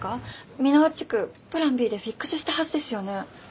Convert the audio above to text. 美ノ和地区プランＢでフィックスしたはずですよね？